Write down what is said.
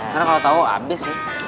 karena kalo tau abis sih